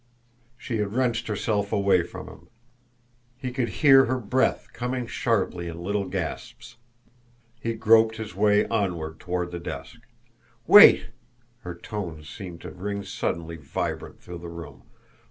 She had wrenched herself away from him. He could hear her breath coming sharply in little gasps. He groped his way onward toward the desk. "WAIT!" her tones seemed to ring suddenly vibrant through the room.